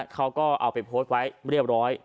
เขาก็เอาไปโพสต์ไว้เรียบร้อย